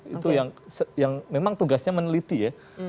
itu yang memang tugasnya meneliti ya